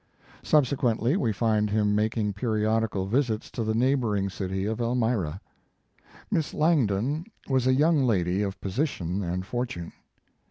Subsequently we find him making peri odical visits to the neighboring city of Elmira. Miss L,angdon was a young lady of position and fortune.